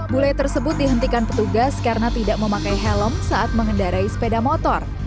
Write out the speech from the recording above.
bule tersebut dihentikan petugas karena tidak memakai helm saat mengendarai sepeda motor